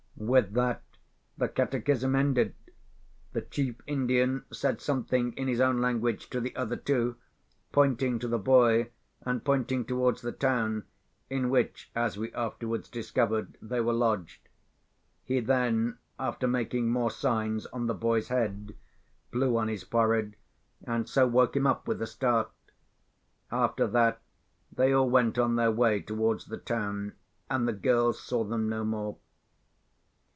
With that the catechism ended. The chief Indian said something in his own language to the other two, pointing to the boy, and pointing towards the town, in which (as we afterwards discovered) they were lodged. He then, after making more signs on the boy's head, blew on his forehead, and so woke him up with a start. After that, they all went on their way towards the town, and the girls saw them no more.